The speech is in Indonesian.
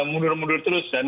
mundur mundur terus kan